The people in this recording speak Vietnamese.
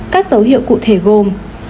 các dấu hiệu cụ thể gồm